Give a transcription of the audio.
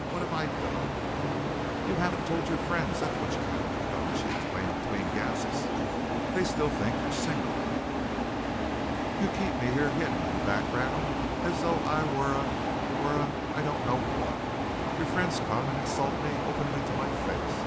What have I done?" "You haven't told your friends that's what you haven't done," she exclaimed between gasps. "They still think you're single. You keep me here hidden in the background as though I were a were a I don't know what! Your friends come and insult me openly to my face.